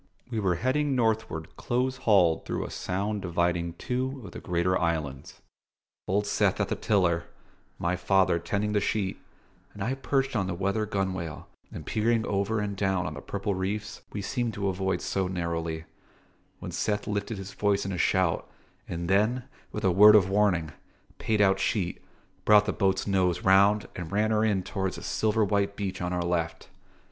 We were heading northward close hauled through a sound dividing two of the greater islands Old Seth at the tiller, my father tending the sheet, and I perched on the weather gunwale and peering over and down on the purple reefs we seemed to avoid so narrowly when Seth lifted his voice in a shout, and then, with a word of warning, paid out sheet, brought the boat's nose round and ran her in towards a silver white beach on our left.